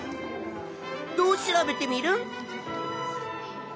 どう調べテミルン？